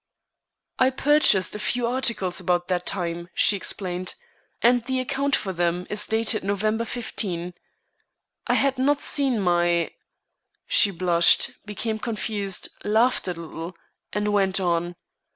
"I purchased a few articles about that time," she explained, "and the account for them is dated November 15. I had not seen my " She blushed, became confused, laughed a little, and went on.